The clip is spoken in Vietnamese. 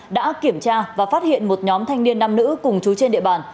đã kiểm tra và phát hiện một nhóm thanh niên nam nữ cùng chú trên địa bàn